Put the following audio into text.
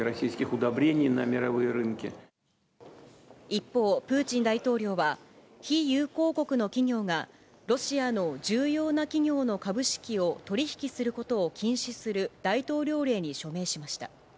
一方、プーチン大統領は、非友好国の企業が、ロシアの重要な企業の株式を取引することを禁止する大統領令に署名しました。